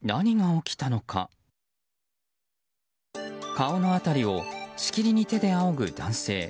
顔の辺りをしきりに手であおぐ男性。